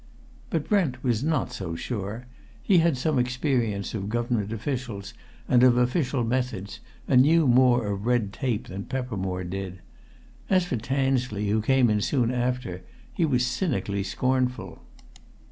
But Brent was not so sure. He had some experience of Government officials, and of official methods, and knew more of red tape than Peppermore did. As for Tansley, who came in soon after, he was cynically scornful.